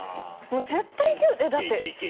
もう絶対牛だって。